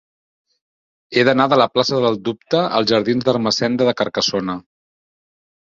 He d'anar de la plaça del Dubte als jardins d'Ermessenda de Carcassona.